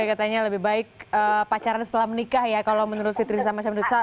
jadi katanya lebih baik pacaran setelah menikah ya kalau menurut fitri sama samsudin